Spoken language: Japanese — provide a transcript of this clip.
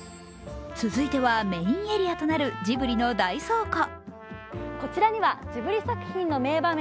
続いては、メインエリアとなるジブリの大倉庫。